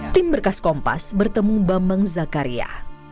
tim berkas kompas bertemu bambang zakaria